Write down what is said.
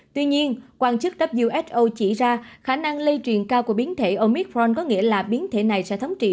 tuy nhiên quan chức who chỉ ra khả năng lây truyền cao của biến thể omicron có nghĩa là biến thể này sẽ thống trị